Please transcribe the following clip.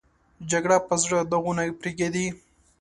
جګړه په زړه داغونه پرېږدي